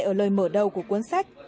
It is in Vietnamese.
ở lời mở đầu của cuốn sách